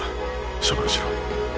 処分しろ。